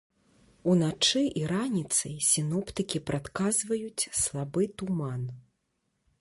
Уначы і раніцай сіноптыкі прадказваюць слабы туман.